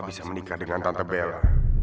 bisa menikah dengan tante bela